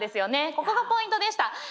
ここがポイントでした。